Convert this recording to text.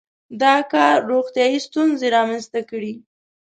• دا کار روغتیايي ستونزې رامنځته کړې.